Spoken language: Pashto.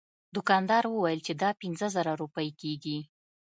دوکاندار وویل چې دا پنځه زره روپۍ کیږي.